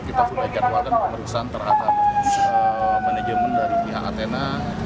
kita sudah jadwalkan pemeriksaan terhadap manajemen dari pihak athena